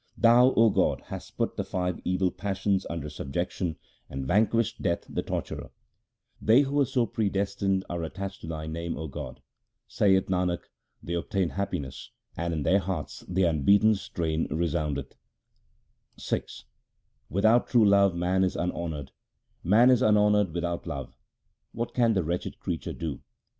Thou, O God, hast put the five evil passions under sub jection, and vanquished Death the torturer. 1 That is, in the heart where God dwells. LIFE OF GURU AMAR DAS 119 They who were so predestined 1 are attached to Thy name, O God. Saith Nanak, they obtain happiness, and in their hearts the unbeaten strain resoundeth. VI Without true love man 2 is unhonoured ; Man is unhonoured without love. What can the wretched creature do